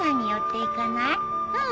うん。